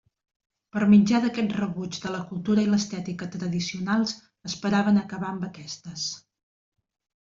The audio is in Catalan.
Per mitjà d'aquest rebuig de la cultura i l'estètica tradicionals esperaven acabar amb aquestes.